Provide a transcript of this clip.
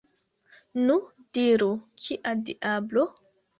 Nu, diru, kia diablo?